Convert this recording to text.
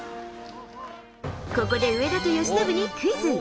ここで上田と由伸にクイズ。